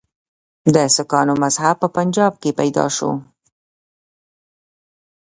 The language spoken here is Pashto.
د سکانو مذهب په پنجاب کې پیدا شو.